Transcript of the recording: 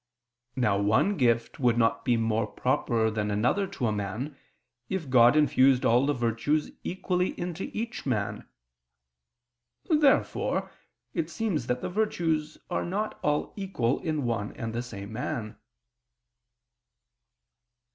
Now one gift would not be more proper than another to a man, if God infused all the virtues equally into each man. Therefore it seems that the virtues are not all equal in one and the same man.